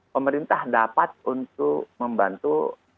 pemerintah dapat untuk membantu